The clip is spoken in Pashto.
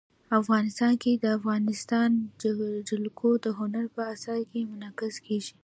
افغانستان کې د افغانستان جلکو د هنر په اثار کې منعکس کېږي.